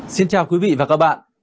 xin chào quý vị và các bạn